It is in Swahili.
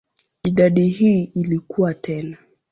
Idadi hii ilikua tena.